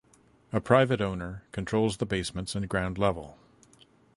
A private owner controls the basements and ground level.